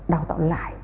đào tạo lại